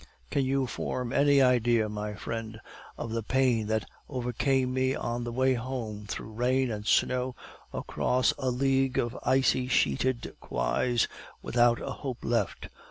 Can you form any idea, my friend, of the pain that overcame me on the way home through rain and snow, across a league of icy sheeted quays, without a hope left?